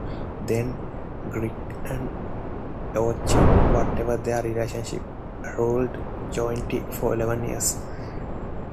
Then Giric and Eochaid, whatever their relationship, ruled jointly for eleven years.